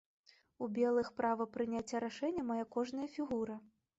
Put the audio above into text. У белых права прыняцця рашэння мае кожная фігура.